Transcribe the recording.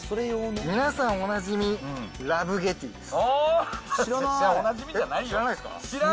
皆さんおなじみ、ラブゲティです。